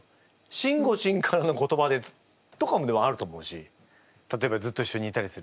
しんごちんからの言葉でとかでもあると思うし例えばずっと一緒にいたりすると。